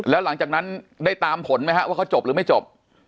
แล้วหลังจากนั้นได้ตามผลไหมฮะว่าเขาจบหรือไม่จบ